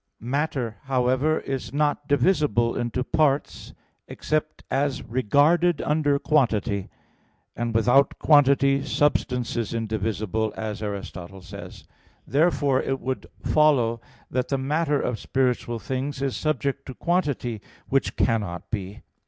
Matter, however, is not divisible into parts except as regarded under quantity; and without quantity substance is indivisible, as Aristotle says (Phys. i, text 15). Therefore it would follow that the matter of spiritual things is subject to quantity; which cannot be.